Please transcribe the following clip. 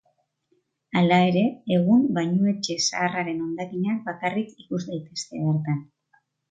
Hala ere, egun bainuetxe zaharraren hondakinak bakarrik ikus daitezke bertan.